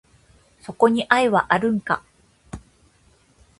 そこに愛はあるんか？